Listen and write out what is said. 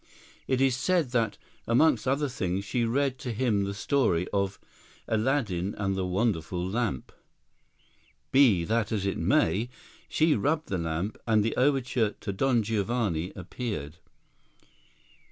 It is said that, among other things, she read to him the story of "Aladdin and the Wonderful Lamp." Be that as it may;—she rubbed the lamp, and the overture to "Don Giovanni" appeared.